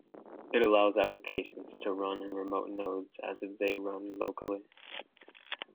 It allows applications to run in remote nodes as if they run locally.